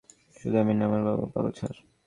শুধু আমি না, আমার বাবাও পাগল, স্যার।